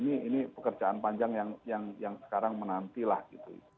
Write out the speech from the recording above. ini pekerjaan panjang yang sekarang menantilah gitu